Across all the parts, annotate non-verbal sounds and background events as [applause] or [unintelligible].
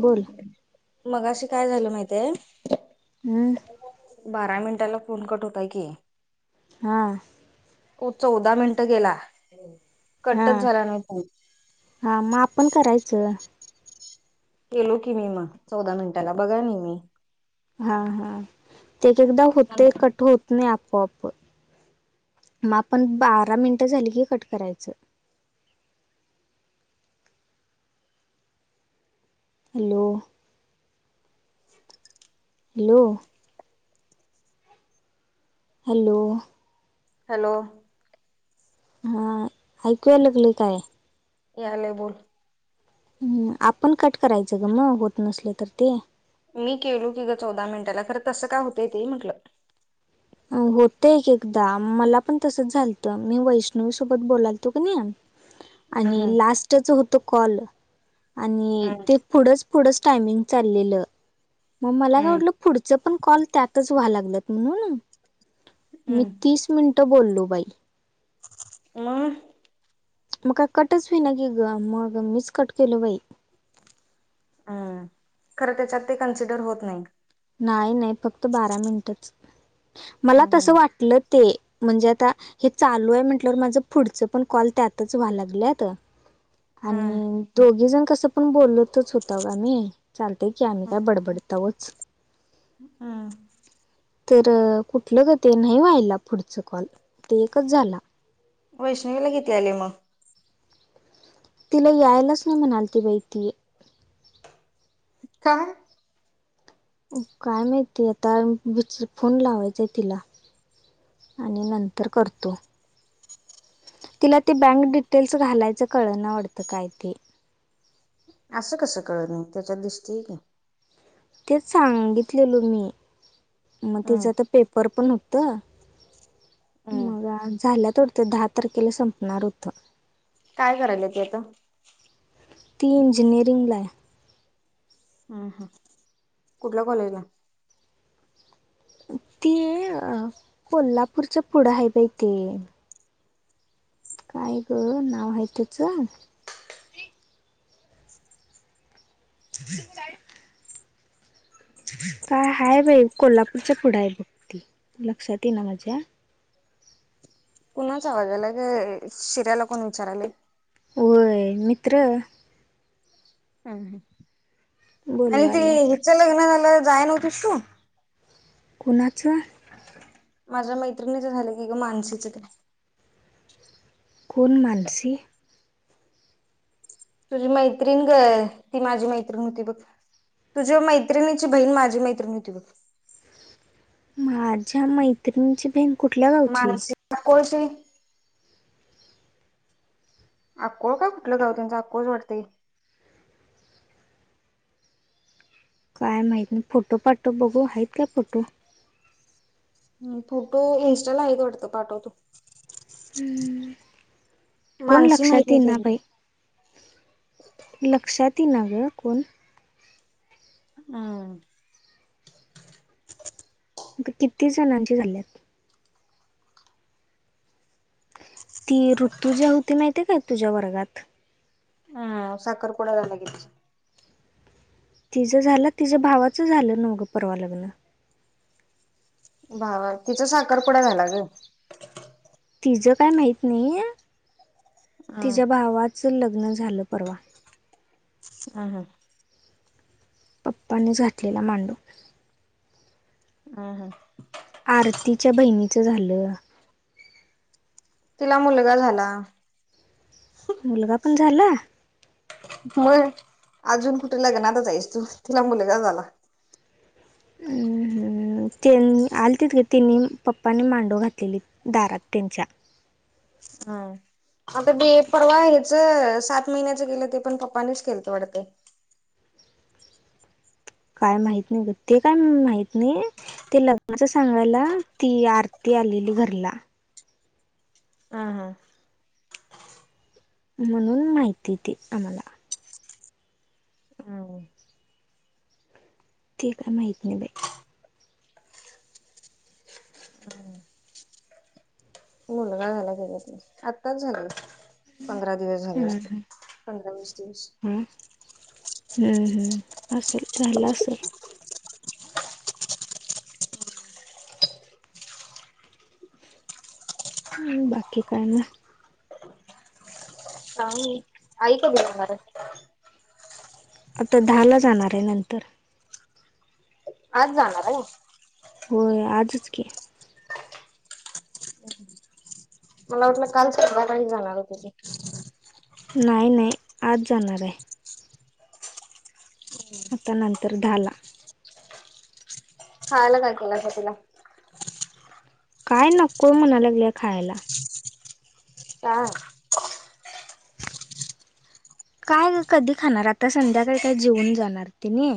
बोल. मग अशी काय झालं माहितय. हमं. बारा मिनिटाला फोन कट होताय की. हां. त चौदा मिनट गेला हा कटच झाला नाही तो. हा मग आपण करायचं. केलो की मी मग चौदा मिनिटाला बघा नि मी. हा हा ते एकदा होते कट होत. नाही आपोआप मग आपण बारा मिनटं झाली की कट करायचं.. हॅलो. हॅलो. हॅलो. हॅलो. हा ऐकूय लगली काय. याले बोल. हम् आपण कट करायचं ग मग होत नसले तर ते. मी केलो की ग चौदा मिनिटाला खरं तसं का होतय ते म्हटलं. होतं एक एकदा मला पण तसच झालतं मी वैष्णवी सोबत बोलायलतो का नाही. आणि हम्म लास्टच होत कॉल आणि हम्म ते पुढच. पुढंच टायमिंग चाललेलं. मग मला काय हम्म वाटलं पुढच पण कॉल त्यातच व्हा लागलत म्हणून मी हम्म तीस. मिनटं बोललो बाई. म. मग कटच भ ना की ग मग मीच कट केलो बाई. हम्म खरं त्याच्यात ते कन्सिडर होत नाही. नाही नाही फक्त बारा मिनिटच मला तस हम्म वाटलं ते. म्हणजे आता हे चालू आहे म्हटलंवर माझ पुढच पण कॉल त्यातच व्हायला लागलं आता. हम्म आणि दोघी जण कसं पण बोलतच होत गमही चालतय की आम्ही काय बडबड. तवच.. हं.. तर कुठलं ग ते नाही व्हायला पुढचा कॉल ते एकच झाला.. वैष्णवीला किती आले मग.. तिला यायलाच नाही म्हणाल त बाहिती.. का.. काय माहितीय आताच फोन लावायचांय तिला.. आणि नंतर करतो.. तिला ते बँक डिटेल्स घालायचं कळण आटतं काय ते.. असं कसं कळ नाही त्याच्या दृष्टी की.. ते सांगितलेल मी मग हम्म तिचं पे.. र पण होत हम्म मग झाल्या तर.. ते दहा तारखेला संपणार होत.. काय करायला ते आता.. ती इंजिनियरिंग ला.. हम् हम कुठल्या कॉलेजला.. ती कोल्हापूरच पुढं आहे बाई ते.. काय ग नाव आहेती चां.. का. काय हाय बाई कोल्हापूरच्या पुढे आहे बघती लक्षात येई ना माझ्या. कुणाच आवाजाला का शिर्याला कोण विचारायला होय मित्र. ह् आणि तेी बोलवाल्यात हिच लग्न झाला जाय नव्हत शू कोणाच. माझ्या मैत्रिणीच झालं की ग मानसचं का. कोण माणसी. तुझी मैत्रीण ग ती माझी मैत्रीण होती बघ. तुझ्या मैत्रिणीची बहीण माझी मैत्रिणी होती बघ. माझ्या मैत्रिणीची बँक कुठल्या गावची. काकश. अको का कुठलं गाव त्यांुचा अकोच वाटतय काय माहित नाही फोटो पाठो बघू आहेत का फोटो फोटो इन्स्ट आहेच वाटतं पाठवतो कोण मानसी माहित लक्षात ये नाही काय ना भाई तुला? लक्षात ये ना ग कोण हम् किती जणांचे झाल्यात ती ऋतू ज्या होती माहितीे काय तुझ्या वर्गात हम् सखर कुड लाग तिझं झालं तिझ भावाचं झालं ना मग परवा लग्न भावा तिचा साखर पुडा घाला ग तिचं काय माहीत नाही हम्म तिच्या भावाचं लग्न झालं परवा अ हा पप्पाने झाातलेला मांडू हम हा आरतीच्या बहिणीचं झालं तिला मुलगा झाला मुलगा पण झाला मग अजून कुठे लग्नात जायस तू तिला मुलगा झाला हम् हम त्यां आलं तिथके त्यांनी पप्पाने मांडव घातलेली दारात त्यांच्या हा आता बी पडवा ह्याच सात महिन्याचं गेलं ते पण पप्पानीच खेळत वाढते काय माहित नाही ग ते काय माहत नाही ते लग्नाच सांगायला ती आरती आलेली घरला ह हां म्हणून माहिती दे आम्हाला हम. ठीक आहे माहीित नाही बा ह मुलगा झाला क आत्ताच झाली पंधरा दिवस झाले अस पंधरा वीस दिवस हां असेल रालं असेल बाकी कारण सांग ऐक गला मर आता दहा ला जाणार आहे नंतर आज जाणार आहे होय आजच घ मला वाटलं काल सपाातारी जाणार होते तेी नाही नाही आज जाणार आहे आता नंतर दहाला खायला काय केलासा का तिला काय नको म्हणालागली खायला का काय ग कधी खाणार आता संध्याकाळी काय जेऊन जाणार ते नाही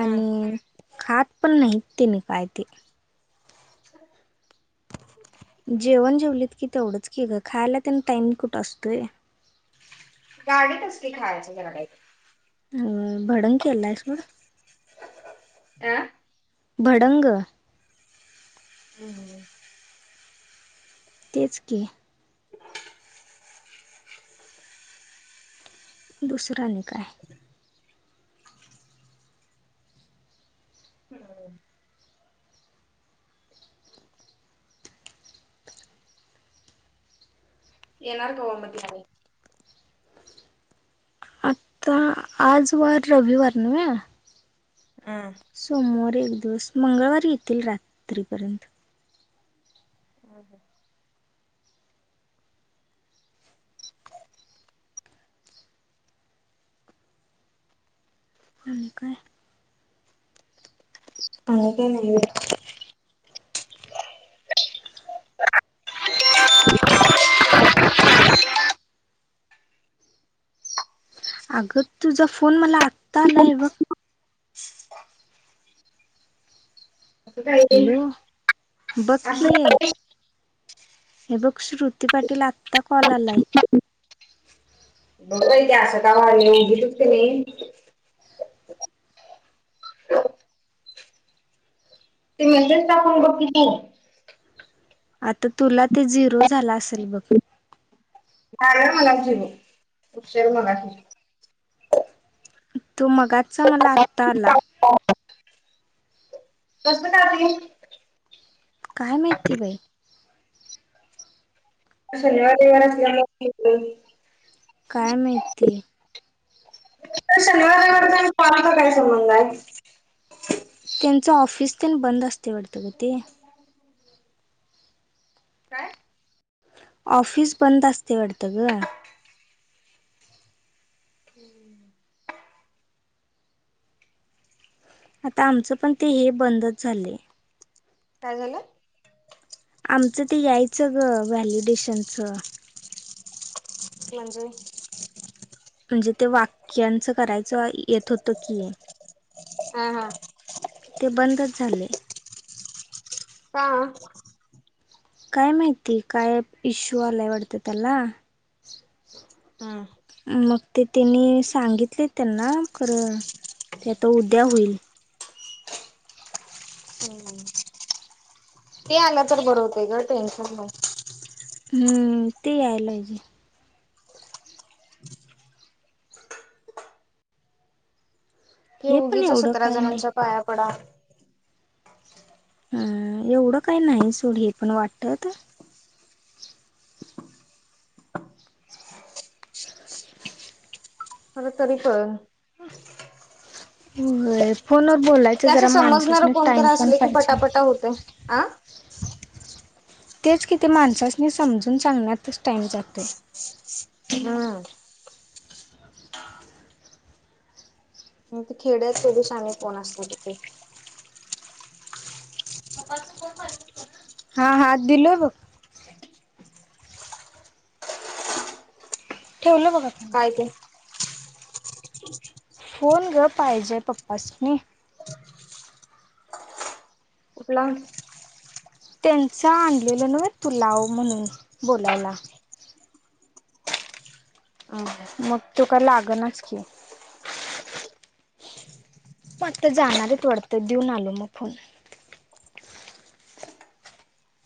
आणि खात पण नाहीत तने काय ते जेवण जेवलीत की तेवढंच की ग खायला त्यांना टाईम कुठं असतोय गाडीतसली खायचं जलाई अ भडंकीिलायस अं भडंग हम् तेच की दुसरा निका आहे येणारर का ओमती काय आता आज वार रविवार न सोमवार एक दिवस मंगळवारी येतील रात्रीपर्यंत आणिने काय अ का नाही अग तुझा फोन मला आत्ता आलाय बघ असं काय ते हॅलो बघ कि असं ये काय हे बघ श्रुती पाटील आता कॉललाय ते असं कावा उभीचचते नाही ह ते म्हतेच टा आपण बघकीी त आता तुला ते झिरो झाला असेल बघ झाड मला ठेव उशर मला ठेव तो मगाचा मला आत्ता आला तुस बताते काय माहितीती बाई शनिवार देार अस काय माहिती तर शनिवाराकड कोराचा काही संबंध आहे त्यांच ऑफिस प बंद असते वाटत का ते हम्म काय ऑफिस बंद असते वाटतं ग हम्म आता आमचं पण ते हे बंदच झालं काय झालं आमचं ते यायचं ग व्हॅलिडेशनचं कलंज म्हणजे ते वाक्यांचं करायचं येत होतं की हा हा ते बंदच झाले हा काय माहिती काय इश्यू आलायवटतं त्याला हा मग ते त्यांनी सांगितले त्यांना खं ते आता उद्या होईल हम् ते आलं तर बरं होतंय ग टेन्शन नाही हम्म ते यायलाजे हे पण उगीच एवढं सतरा काय नाही. जणांच्या पाया पडा. हम एवढं काही नाही सोड हे पण वाटतत. [unintelligible] मर तरी प. फोनवर बोलाय. ते असं जरा समजणार माणसा कोणत टाइम पण असले की पाहिजे. पटापटा होते आ तेच किती माणसानी समजून सांगण्यातच टाइम जाते. हा. मग ते खेड्यात प्रदेशाने कोण असतो तिथे. ण. हा हात दिलोघ. ठेवलं बघा तही. काय ते फोन ग पाहिजे पप्पाास नि. अपला. त्यांचा आणलेलं ना तुलाव म्हणून बोलायला. हम्म मग तु का लागनच की मता जाणारच वडत देऊन आलो मग फोन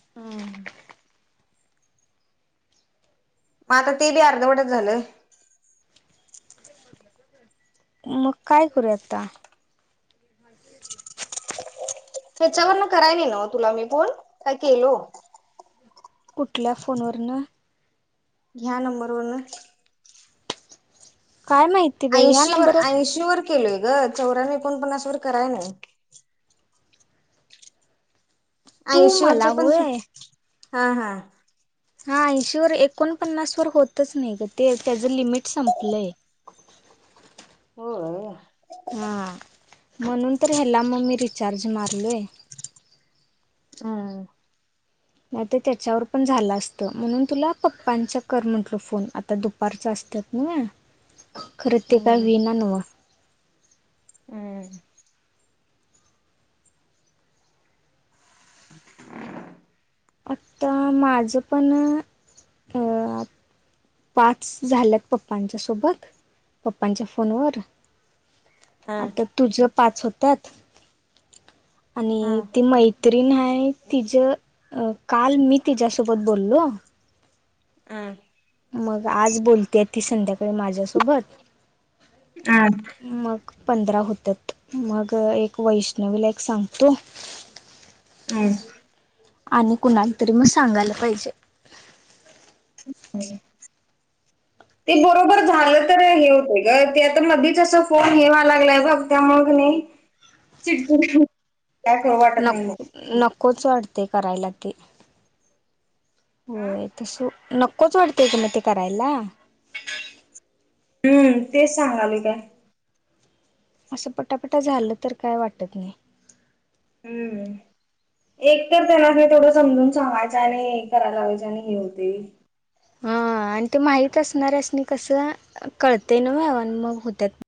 हम्म मग आता ते बी अर्धवटच झालं. मग काय करू आत्ता. त्याच्यावर न कराय नाही ना तुला मी पण काय केलो. कुठल्या फोनवरनं. ह्या नंबर वरन. काय माहित. ऐंशी वर ऐंशी वर केलोय ग चौऱ्या एकोणपन्नास वर कराय नाही. तू ऐंशी मला वरचे पण ती होय. हा हा. हा ऐंशीवरर एकोणपन्नास वर होतच नाही ग ते त्याचं लिमिट संपलंय. हो. हा म्हणून तर ह्याला मग मी रिचार्ज मारलोय, हा. नाही ते त्याच्यावर पण झालं असत म्हणून तुला पप्पांचा कर म्हटल फोन आता दुप, वापारच असतात न खरं ते काय हम्म विना न. आता माझं पण अ. पाच झाल्यात पप्पांच्या सोबत पप्पांच्या फोनवर. हम्म आता तुझ पाच होतात आणि ते मै. तरी नाही तिज काल मी तिच्या्यासोबत बोललो. हं. मग आज बोलतेय ती संध्याकाळी माझ्यासोबत. आध. मग पंधरा होतात मग एक वैष्णवीला एक सांगतो. हम्. आणि कुणाला तरी मग सांगायला पाहिजे. ह्. ह. ते बरोबर झालं तर हे होते ग ते आता मधीच अस फोन हेवा लागलाय बघ. त्या मगने चिडगून रूम. नक नकोच वाटते करायला ते. होय तस नक्कोच वाटतेय तुम्ही ते करायला. हम्म तेच सांगाले काय. असं पटापटा झालं तर काय वाटत नाही. हम्म. एक तर त्यांना हे थोडं समजून सांगायचं आणि करायला लावायचे आणि हे होते हा आणि ते माहत असणाऱ्यासनी कसं कळतंय ना बा आणि मग होत्यात